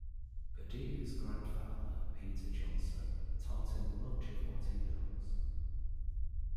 Padilla's grandfather, Peter Johnsen, taught him much of what he knows.